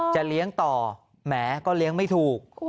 จะเลี้ยงต่อแหมก็เลี้ยงไม่ถูก